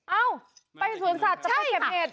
เอ้าไปสวนสัตว์จะไปเก็บเห็ด